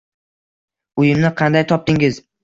Uyimni qanday topdingiz